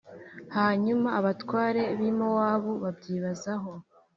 Hanyuma abatware bi mowabu babyibazaho